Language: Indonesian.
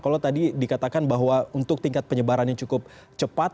kalau tadi dikatakan bahwa untuk tingkat penyebarannya cukup cepat